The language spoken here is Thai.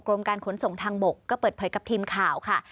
กรมการขนส่งทางบกก็เปิดเผยกับทีมข่าวค่ะ